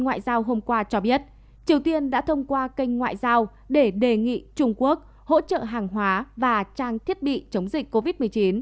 ngoại giao hôm qua cho biết triều tiên đã thông qua kênh ngoại giao để đề nghị trung quốc hỗ trợ hàng hóa và trang thiết bị chống dịch covid một mươi chín